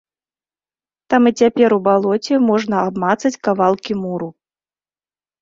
Там і цяпер у балоце можна абмацаць кавалкі муру.